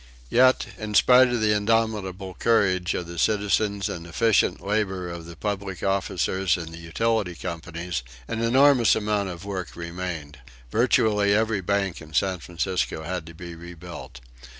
Yet, in spite of the indomitable courage of the citizens and the efficient labor of the public officers and the utility companies, an enormous amount of work remained. Virtually every bank in San Francisco had to be rebuilt.